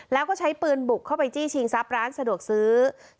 แล้วก็ใช้ปืนบุกเข้าไปจี้ชิงทรัพย์ร้านสะดวกซื้อ